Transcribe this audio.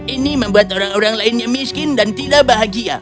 ini membuat orang orang lainnya miskin dan tidak bahagia